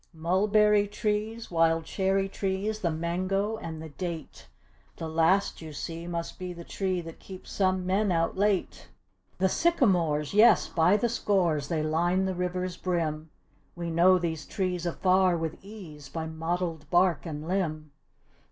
Mulberry trees, wild cherry trees; the mango and the date; The last you see must be the tree that keeps some men out late. The sycamores yes by the scores they line the river's brim. We know these trees afar, with ease, by mottled bark and limb.